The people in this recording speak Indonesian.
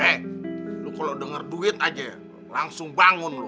eh lo kalau denger duit aja langsung bangun lo